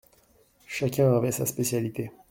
Chacun avait sa spécialité.